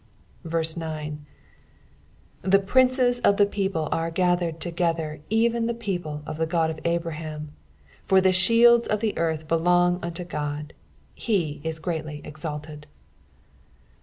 9 The princes of the people are gathered together, eren the people of the God of Abraham : for the shields of the earth belong unto God : he is greatly exalted.